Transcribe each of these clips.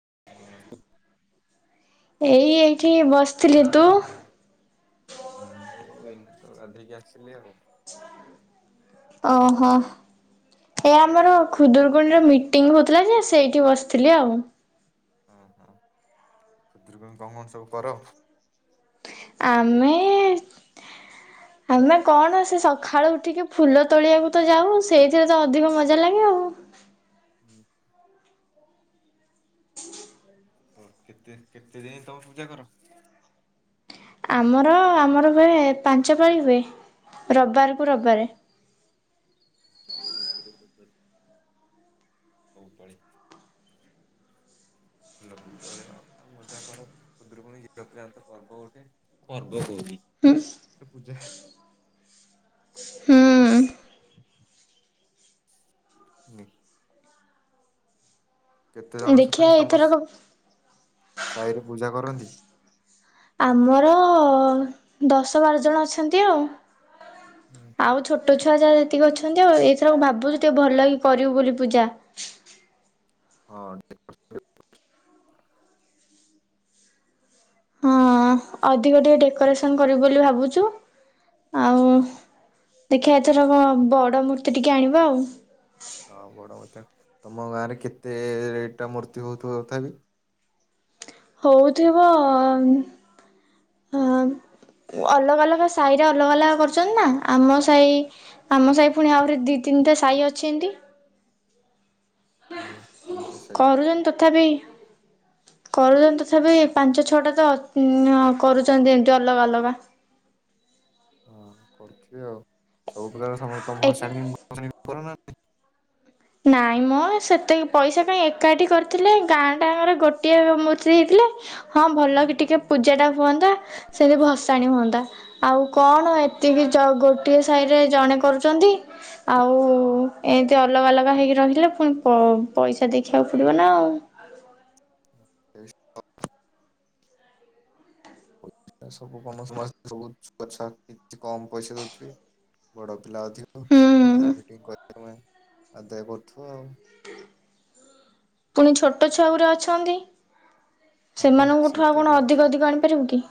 [inaudible] ଏଇ ଏଇଠି ବସିଥିଲି, ତୁ? [inaudible] ଓ ଏଇନେ ତ ଗାଧେଇକି ଆସିଲି ଆଉ। [inaudible] ଅହ, ଏ ଆମର ଖୁଦୁୁରୁକୁୁଣିରେ ମିଟିଂ ହୋଉଥୁଲା ଯେ, ସେଇଠି ବସିଥିଲି ଆଉ। ହଁ ହଁ, [inaudible] ତମର ସବୁ କର? ଆମେ ଏ, [inaudible] ଆମେ କଣ ସେ ସଖାଳୁ ଉଠିକି ଫୁଲ ତୋଳିଆକୁ ତ ଯାଉ, ସେଇଥିରେ ତ ଅଧିକ ମଜା ଲାଗେ ଆଉ। ହୁଁ। ପର କେତେ କେତେ ଦିନ ତମେ ପୂଜା କର? [inaudible] ଆମର ଆମର ହୁଏ ପାଞ୍ଚ ପାଳି ହୁଏ, ରବବାରକୁ ରବବାର। ପାଞ୍ଚ ପାଳି କୁ, ରବବାରେ କୁ ରବ ବା ରେ? [inaudible] ହଉ ପାଳି। ଆଉ ଫୁଲ ଖାଲି ତୋଳିବ ଆଉ, ତମେ ମଜା କର, ଖୁଦୁରୁକୁଣୀ ଝିଅ ପିଲାଙ୍କ ତ ପର୍ବ ଗୋଟେ, ପର୍ବ କୋଉଚି, ହୁଁ ଗୋଟେ ପୂଜା ହା ହୁଁ [unintelligible] ହୁଁ। ଦେଖିଆ ଏଇଥର କ ସାଇରେ ପୂଜା କରନ୍ତି? ଆମର ଅ, ଦଶ ବାର ଜଣ ଅଛନ୍ତି ଆଉ। [unintelligible] ଆଉ ଛୋଟ ଛୁ ଛୁଆ ଜାହା ଯେତିକି ଅଛନ୍ତି ଆଉ, ଏଇଥରକ ଭାବୁଚୁ ଟିକେ ଭଲ କି କରିବୁ ବୋଲି ପୂଜା। ହଁ ଅଁ [unintelligible] ହଁ ଅଁ, ଅଧିକ ଟିକେ ଡେକୋରେସନ କରିବୁ ବୋଲି ଭାବୁଚୁ, [inaudible] ଆଉ, [inaudible] ଦେଖିଆ ଏଇ ଥରକ ବଡ ମୂର୍ତ୍ତି ଟିକେ ଆଣିବା ଆଉ। ହଁ ବଡ ମୂର୍ତ୍ତି ଆଣ, ତମ ଗାଁରେ କେତେ ଏ ଟା ମୂର୍ତ୍ତି ହୋଉଥିବା ତଥାବି? ହୋଉଥିବ ଅ [unintelligible] ଅଲଗା ଅଲଗା ସାଇରେ ଅଲଗା-ଅଲଗା କରୁଚନ୍ତି ନା, ଆମ ସାଇ, ଆମ ସାହି ଫୁଣି ଆହୁରି ଦି ତିନିଟା ସାଇ ଅଛି ଏମତି। [inaudible] ହଁ ତିନିଟା [unintelligible] ସାଇ କରୁଚନ୍ତି ତଥାପି କରୁଚନ୍ତି ତଥାପି, ପାଞ୍ଚ-ଛଅଟା ତ କରୁଚନ୍ତି ଏମିତି ଅଲଗା ଅଲଗା। ହଁ କରୁଥିବେ ଆଉ। ସବୁ ପ୍ରକାର ସମତଙ୍କ ଭସାଣି-ଫସାଣି କରନା? ନାଇଁ ମ, ସେତକି ପଇସା କାଇଁ ଏକାଠି କରିଥିଲେ ଗାଁଟାଙ୍କର ଗୋଟିଏ ମୂର୍ତ୍ତି ହେଇଥିଲେ, ହଁ ଭଲ କି ଟିକେ ପୂଜାଟା ହୁଅନ୍ତା, ସେମିତି ଭସାଣି ହୁଅନ୍ତା, ଆଉ କଣ ଏତିକି ଚ ଗୋଟିଏ ସାହିରେ ଜଣେ କରୁଚନ୍ତି, ଆଉ ଏମିତି ଅଲଗା ଅଲଗା ବା ହେଇକି ରହିଲେ, ପୁଣି ପଇସା ଦେଖିଆକୁ ପଡିବ ନା ଆଉ। [unintelligible] ସବୁ କ ସମ ସବୁ ଛୁଆ ଛୁଆ କିଛି କମ ପଇସା ଦୋଉଥୁବେ, ବଡ ପିଲା ଅଧକ, ହୁଁ ମିଟି ଫିଟିଂ କରି। ଅ ଆ, ଆଦାୟ କରଥିବ ଆଉ। [inaudible] ପୁଣି ଛୋଟ ଛୁଆଗୁରା ଅଛନ୍ତି। ହଁ ବା ସେଇ ସେମାନଙ୍କଠୁ ଆଉ ତ କଣ କହୁଛି ଅଧିକ ଅଧିକ ଆଣିପାରିବୁ କି?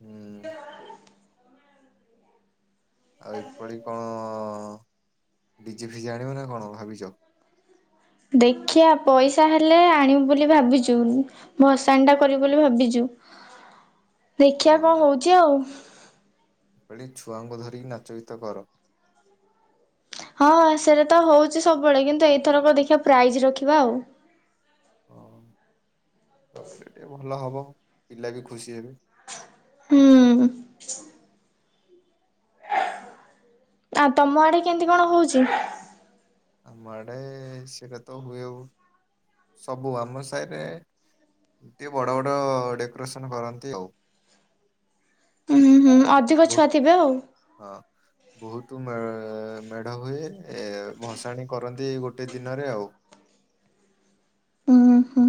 ହୁଁ ଆଉ ଏପାଳି କଣ, ଡିଜେ ଫିଯେ ଆଣିବ ନା କଣଭାବିଚ? ଦେଖିଆ, ପଇସା ହେଲେ ଆଣିବୁ ବୋଲି ଭାବିଚୁ, ଭସାଣି ଟା କରିବୁ ବୋଲି ଭାବିଚୁ। [inaudible] ଦେଖିଆ କଅ ହୋଉଚି ଆଉ। ସେଠି ଛୁଆଙ୍କୁ ଧରି କି ନାଚ ଗୀତ କର। [inaudible] ହଁ-ଅଁ, ସେଇଟା ତ ହୋଉଚି ସବୁବେଳେ, କିନ୍ତୁ ଏଇଥରକ ଦେଖିବା ପ୍ରାଇଜ ରଖିବା ଆଉ। ହଁ ରଖିଲେ ଟିକେ ଭଲ ହବ। ପିଲା ବି ଖୁସି ହେବେ। ହୁଁ ଆଉ ତମ ଆଡେ କେମିତି କଣ ହୋଉଚି। ଆମ ଆଡେ ସେଟା ତ ହୁଏ ସବୁ ଆମ ସାହିରେ ଟିକେ ବଡ ବଡ ଡେକୋରେସନ କରନ୍ତି ଆଉ। ହୁଁ ହୁଁ ଅଧିକ ଛୁଆ ବହୁତ ଥିବେ ଆଉ। ହଁ ବୋହୁତୁ ମେ-ମେଢ ହୁଏ ଏ-ଭସାଣି କରନ୍ତି ଏଇ ଗୋଟେ ଦିନରେ ଆଉ। ଉଁ ହୁଁ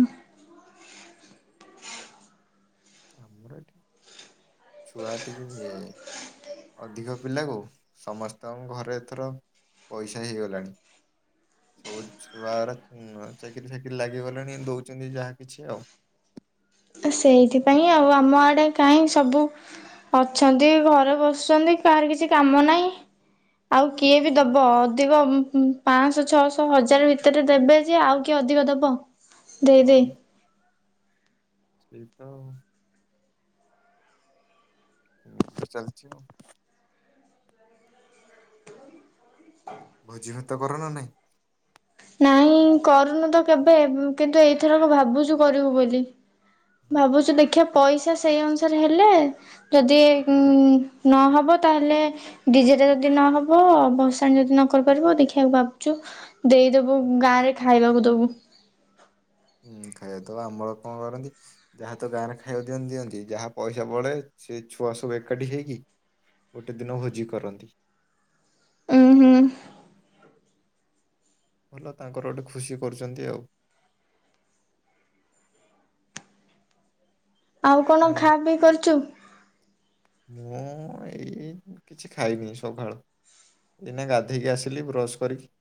ଆମର ଏଠି ଛୁଆ ଟିକେ ଅଧିକ ପିଲାକୁ ସମସ୍ତଙ୍କ ଘରେ ଏଥର ପଇସା ହେଇଗଲାଣି ସବୁ ଛୁଆରା ଚାକିରି ଫାକିରି ଲାଗିଗଲାଣି ଦୋଉଚନ୍ତି ଯାହା କିଛି ଆଉ। ତ ସେଇଥିପାଇଁ ଆଉ ଆମ ଆଡେ କାହିଁ ସବୁ ଅଛନ୍ତି ଘରେ ବସୁଛନ୍ତି କାହାର କିଛି କାମ ନାହିଁ ଆଉ କିଏ ବି ଦବ ଅଧିକ ପାଞ୍ଚଶହ ଛଅଶହ ହଜାର ଭିତରେ ଦେବେ ଯେ ଆଉ କିଏ ଅଧିକ ଦବ। ଦେଇ ଦେଇ ସେଇତ ଚାଲଚି ଆଉ ଭୋଜିଭାତ କରନା ନାଇଁ। ନାଇଁ କରୁନୁ ତ କେବେ କିନ୍ତୁ ଏଇଥରକ ଭାବୁଚୁ କରିବୁ ବୋଲି। ଭାବୁଚୁ ଦେଖିଆ ପଇସା ସେଇ ଅନୁସାରେ ହେଲେ ଯଦି ନହବ ତାହେଲେ ଡିଜେରେ ଯଦି ନହବ ଧସାଣି ଯଦି ନ କରିପାରିବ ଦେଖିବାକୁ ଭାବୁଛୁ ଦେଇଦବୁ ମୁୁ ଗାଁରେ ଖାଇବାକୁ ଦବୁ। ହୁଁ ଖାଇବା ତ ଆମର କଣ କରନ୍ତି ଯାହା ତ ଗାଁରେ ଖାଇବାକୁ ଦିଅନ୍ତି ଦିଅନ୍ତି ଯାହା ପଇସା ବଳେ ସେଇ ଛୁଆ ସବୁ ଏକାଠି ହେଇକି ଗୋଟେ ଦିନ ଭୋଜି କରନ୍ତି। ଉଁ ହୁଁ ଭଲ ତାଙ୍କର ଗୋଟେ ଖୁସି କରୁଚନ୍ତି ଆଉ। ଆଉ କଣ ନାଇଁ ଖାଆ ପି କରୁଛୁ। ମୁଁ ଏଇ କିଛି ଖାଇନି ସକାଳୁ ଏଇନା ଗାଧେଇକି ଆସିଲି ବ୍ରଶ କରିକି।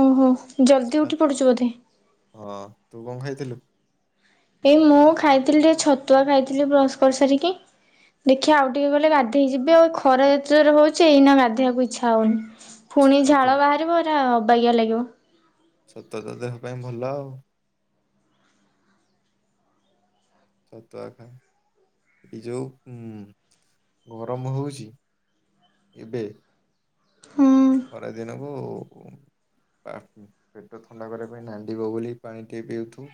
ଓ ହୋ ଜଲ୍ଦି ଆ ଉଠି ପଡ଼ୁଚୁ ବୋଧେ। ହଁ ତୁ କଣ ଖାଇଥିଲୁ? ଏଇ ମୁଁ ଖାଇଥିଲି ଟିକେ ଛତୁଆ ଖାଇଥିଲି ବ୍ରସ୍ କରି ସାରିକି ଦେଖିଆ ଆଉ ଟିକେ ଗଲେ ଗାଧେଇ ଯିବି ଆଉ ଖରା ଏତେ ଯୋରେ ହୋଉଛି ଏଇନା ଗାଧେଇବାକୁ ଇଚ୍ଛା ହଉନି। ପୁଣି ଛତୁଆ ତ ଝାଳ ବାହାରିବ ଅବାଗିଆ ଲାଗିବ। ସଟାତ ଦେହ ପାଇଁ ଭଲ ଆଉ। ଛତୁଆ ଖାଆଇକି ଯୋଉ ଉଁ ଗରମ ହୋଉଛି ଏବେ ହଁ ଖରା ଦିନକୁ ପା ପେଟ ଥଣ୍ଡା କରିବା ପାଇଁ ନାଣ୍ଡିବଗୁଲି ପାଣି ଟକେ ପିଇଉଥୁବୁ।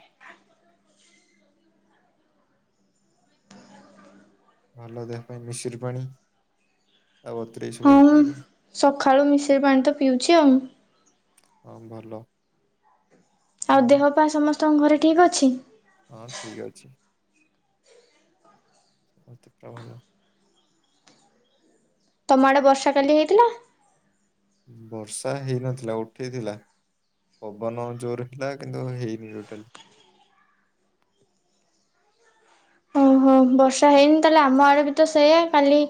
ଭଲ ଦେହ ପାଇଁ ମିଶରି ପାଣି ତା ବତୁରେଇ ହଁ ସବୁବେଳେ ପିଇବୁ। ସକାଳୁ ମିଶିରି ପାଣି ତ ପିଉଛି ଆଉ। ହଁ ଭଲ ଆଉ ଦେହପାଆ ସମସ୍ତ ତମ ଘରେ ଠିକ୍ ଅଛି। ହଁ ଠିକ ଅଛି। ସମସ୍ତେ ପୁରା ଭଲ। ତମ ଆଡ଼େ ବର୍ଷା କାଲି ହେଇଥିଲା? ବର୍ଷା ହେଇନଥିଲା ଉଠେଇଥିଲା ପବନ ଜୋରେ ଥିଲା କିନ୍ତୁ ହେଇନି ଟୋଟାଲି। ଓହୋ ବର୍ଷା ହେଇନି ତାହାଲେ ଆମ ଆଡ଼େ ବି ତ ସେଇୟଆ କାଲି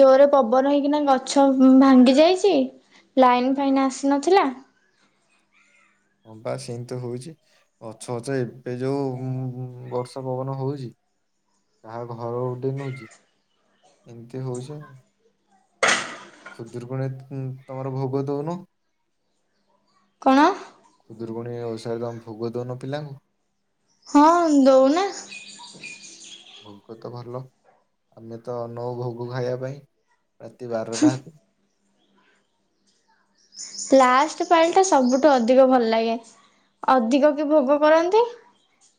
ଜୋରରେ ପବନ ହେଇକିନା ଗଛ ଭାଙ୍ଗି ଯାଇଚି ଲାଇନ ଫାଇନ୍ ଆସିନଥିଲା ହଁ ପା ସେମିତି ହୋଉଚି ଗଛ ଫଛ ଏବେ ଯୋଉ ବର୍ଷା ପବନ ହୋଉଚି ତାାହା ଘର ଗୋଟେ ନୋଉଚି ଏମିତି ହୋଉଚି ଆ। ଖୁଦୁରୁକୁଣୀ ତମର ଭୋଗ ଦୋଉନ। କଣ? ଖୁଦୁରୁକୁଣି ଓଷାରେ ତମେ ଭୋଗ ଦୋଉନ ପିଲାଙ୍କୁ‌? ହଁ ଦୋଉ ନାଁ। ଭୋଗ ତ ଭଲ ଆମେ ତ ଅନଉ ଭୋଗ ଖାଇବା ପାଇଁ। ରାତି ବାରଟା ହେତେ ଲାଷ୍ଟ ପାଳିଟା ସବୁଠୁ ଅଧିକ ଭଲ ଲାଗେ। ଅଧିକ ବି ଭୋଗ କରନ୍ତି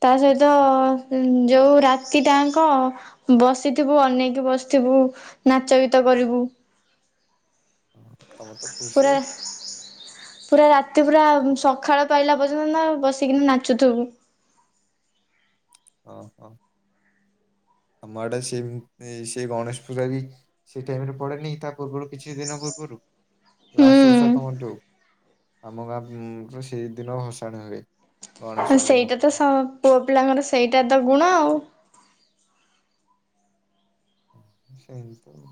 ତା ସହିତ ଉଁ ଯୋଉ ରାତିଟା ଆଙ୍କ ବସିଥିବୁ ଅନେଇକି ବସିଥିବୁ ନାଚ ଗୀତ କରିବୁ। ହଁ ତମର ତ ଖୁସି। ପୁରା ପୁରା ରାତି ପୁରା ସଖାଳ ପାଇଲା ପର୍ଯ୍ୟନ୍ତ ନାଁ ବସିକିନି ନାଚୁଥିବୁ। ଅଁ ହଁ ଆମ ଆଡେ ସେ ଉଁ ସେଇ ଗଣେଶ ପୂଜା ବି ସେଇ ଟାଇମରେ ପଡେନେଇ କି ତା ପୂର୍ବରୁ କିଛି ଦିନ ପୂର୍ବରୁ ଲାଷ୍ଟ ଓଷା ତମର ହୁଁ ଯୋଉ ଆମ ଗାଁ ଉଁ ସେଇ ଦିନ ଭସାଣି ହୁଏ। ଗଣେଶ ପୂଜା ସେଇଟା ତ ସ ପୁଅ ପିଲାଙ୍କର ସେଇଟା ଟା ତ ଗୁଣ ଆଉ। ସେଇ ତ ଆଉ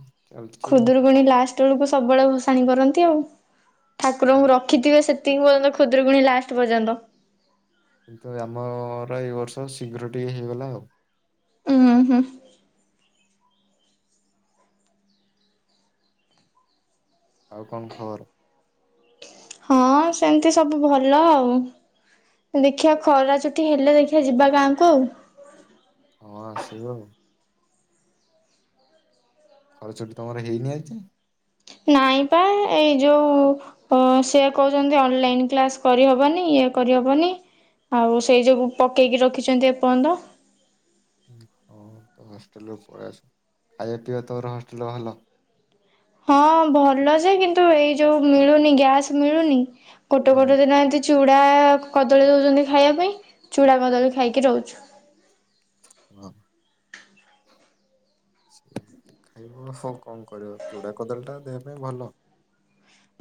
ଖୁଦୁୁରକୁୁଣି ଲାଷ୍ ତେଳୁକୁ ସବୁବେଳେ ଭସାଣି କରନ୍ତି ଆଉ। ଠାକୁରଙ୍କୁ ଆଉ ରଖିଥିବେ ସେ ତିିକ ପର୍ଯ୍ୟନ୍ତ ଖୁଦୁରୁକୁୁଣୀ ଲାଷ୍ଟ ପର୍ଯ୍ୟନ୍ତ। କିନ୍ତୁ ଏଇ ଆମର ଏଇ ବର୍ଷ ଶୀଘ୍ର ଟିକେ ହେଇଗଲା ଆଉ। ଉଁ ହୁଁ। ଆଉ କଣ ଖବର? ହଁ ସେମତି ସବୁ ଭଲ ଆଉ ଦେଖିବା ଖରା ଛୁଟି ହେଲେ ଦେଖିବା ଯିବା ଗାଁକୁ ଆଉ। ହଁ ଆସିବୁ ଆଉ। ଖରା ଛୁଟି ତମର ହେଇନି ଆଜି ଯାଏଁ? ନାଇଁ ପା ଏଇ ଯୋଉ ଉଁ ସେ କୋହୁଚନ୍ତି ଅନଲାଇନ କ୍ଲାସ କରିହବନି ଇଏ କରିହବନି ଆଉ ସେଇ ଯୋଗୁ ପକେଇକି ରଖିଚନ୍ତି ଏପର୍ଯ୍ୟନ୍ତ। ହଁ ତୋ ହଷ୍ଟେଲରୁ ପଳେଇଆସ। ଖାଇବା ପିଇବା ତୋର ହଷ୍ଟେଲ ଭଲ। ହଁ ଭଲ ଯେ କିନ୍ତୁ ଏଇ ଯୋଉ ମିଳୁନି ଗ୍ୟାସ ମିଳୁନି କୋଟେ ହଁ କୋଟ ଦ ଏନ୍ତି ଚୁଡ଼ା କଦଳୀ ଦୋଉଚନ୍ତି ଖାଇବା ପାଇଁ। ଚୁଡ଼ା କଦଳୀ ଖାଇକି ରଉଚୁ‌। ହଁ ସେମିତି ଖାଇବ ଆଉ କଣ କରିବ ଚୁଡ଼ା କୋଦଳୀଟା ଦେବା ପାଇଁ ଭଲ।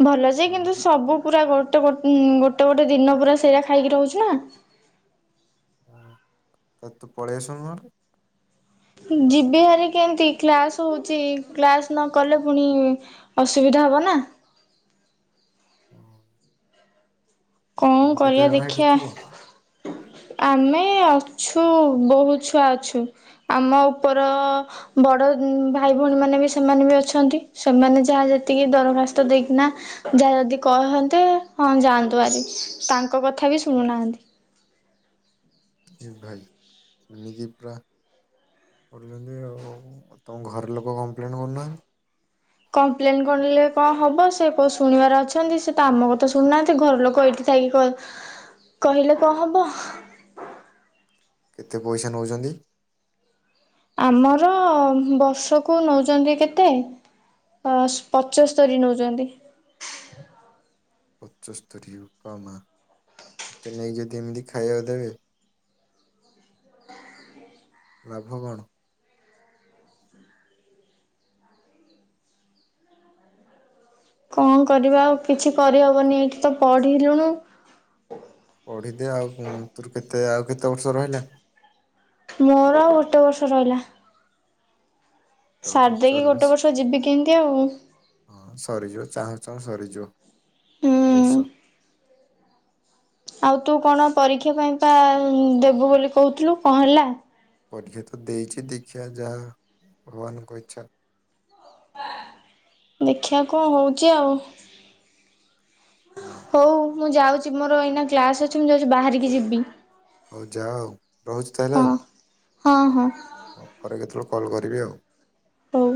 ଭଲ ଯେ ହଁ କିନ୍ତୁ ସବୁ ପୁରା ଗୋ ଗୋଟେ ଗୋ ଉଁ ଗୋଟେ ଗୋଟେ ଦିନ ପୁରା ସେଇଟା ଖାଇକି ରହୁଚୁ ନାଁ। ଉଁ ତ ତୁ ପେଳେଇ ଆସୁନୁ ନହେଲେ। ଯିବି ହାରି କେମିତି କ୍ଲାସ ହୋଉଚି କ୍ଲାସ ନ କଲେ ପୁଣି ଅସୁବିଧା ହବ ନାଁ। କଣ ତମେ କେତେ କରିବା ଜଣ ସେଠି ଦେଖଆ। ଥିବ ଆମେ ଅଛୁ ବୋହୁତ ଛୁଆ ଅଛୁ ଆମ ଉପର ବଡ଼ ଭାଇ ଭୋଉଣୀ ମାନେ ବି ସେମାନେ ବି ଅଛନ୍ତି। ସେମାନେ ଯାହା ଯେତିକି ଦରଖାସ୍ତ ଦେଇକିନା ଯାହା ଯଦି କହନ୍ତେ ହଁ ଯାଆନ୍ତୁ ହାରି। ତାଙ୍କ କଥା ବି ଶୁଣୁନାହାନ୍ତି‌। ଏ ଭାଇ ଏମିତି ପୁରା କରୁଛନ୍ତି ଆଉ। ତମ ଘର ଲୋକ କମ୍ପ୍ଲେନ୍ କରୁନାହାଁ କମ୍ପ୍ଲେନ କିରିଲେ କଣ ହବ ସେ କୋଉ ଶୁଣିବାର ଅଛନ୍ତି। ସେ ତ ଆମ କଥା ଶୁଣୁନାହାନ୍ତି ଘର ଲୋକ ଏଇଠି ଥାଇକି କ କହିଲେ କଣ ହବ। କେତେ ପଇସା ନୋଉଚନ୍ତି? ଆମର ବର୍ଷକୁ ନୋଉଚନ୍ତି କେତେ ଅ ପଚସ୍ତରୀ ନୋଉଚନ୍ତି। ପଞ୍ଚସ୍ତରୀ ର ଉପ ମା ଏତେ ନେଇ ଯଦି ଏମିତି ଖାଇବାକୁ ଦେବେ? ଲାଭ କଣ? କଣ କରିବା ଆଉ କିଛି କରିହବନି ଏଇଠି ତ ପଢିଲୁଣୁ। ପଢିଦେ ଆଉ ତୋର କେତେ ଆଉ କେତେ ବର୍ଷ ରହିଲା? ମୋର ଆଉ ଗୋଟେ ବର୍ଷ ରହିଲା। ସାରି ଦେଇକି ଗୋଟେ ଚାଲିଶ ବର୍ଷ ଯିବି କେମିତି ଆଉ ହୁଁ। ହଁ ସରିଯିବ ଚାହୁଁ ଚାହୁଁ ସରି ଯୋ। ବର୍ଷା। ଆଉ ତୁ କଣ ପରୀକ୍ଷା ପାଇଁ ପା ଦେବୁ ବୋଲି କହୁଥିଲୁ କଣ ହେଲା। ପରୀକ୍ଷା ତ ଦେଇଛି ଦେଖିଵା ଯାହା ଭଗବାନଙ୍କ ଇଚ୍ଛା। ଦେଖିବା କଣ ହଉଛି ଆଉ ହଁ ହଉ ମୁଁ ଯାଉଛି ମୋର ଏଇନା କ୍ଲାସ ଅଛି ମୁଁ ଯାଉଛି ବାହାରିକି ଯିବି। ହଉ ଯାଅ ଆଉ ରହୁଛି ତାହେଲେ ହଁ ଆଉ। ହଁ ହଁ। ପରେ କେତେବେଳେ କଲ୍ କରିବି ଆଉ। ହଉ।